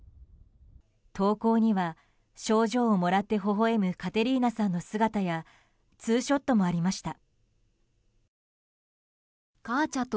投稿には賞状をもらってほほ笑むカテリーナさんの姿やツーショットもありました。